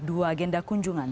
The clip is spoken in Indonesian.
dua agenda kunjungan